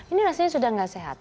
ini rasanya sudah tidak sehat